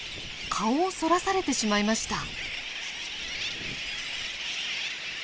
顔をそらされてしまいました。